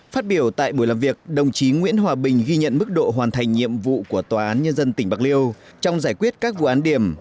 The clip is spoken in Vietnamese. phát biểu tại buổi làm việc đồng chí nguyễn hòa bình ghi nhận mức độ hoàn thành nhiệm vụ của tòa án nhân dân tỉnh bạc liêu trong giải quyết các vụ án điểm